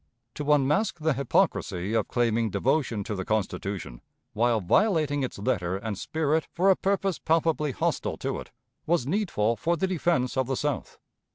To unmask the hypocrisy of claiming devotion to the Constitution, while violating its letter and spirit for a purpose palpably hostile to it, was needful for the defense of the South.